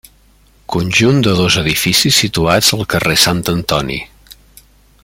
Conjunt de dos edificis situats al carrer Sant Antoni.